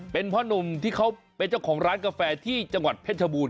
เป็นพ่อนุ่มที่เขาเป็นเจ้าของร้านกาแฟที่จังหวัดเพชรชบูรณ